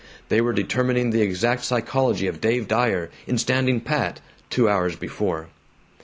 They were determining the exact psychology of Dave Dyer in standing pat, two hours before.